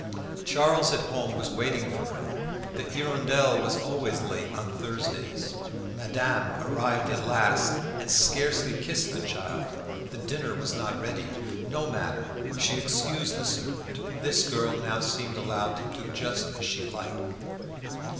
Charles at home was waiting for her; the "Hirondelle" was always late on Thursdays. Madame arrived at last, and scarcely kissed the child. The dinner was not ready. No matter! She excused the servant. This girl now seemed allowed to do just as she liked.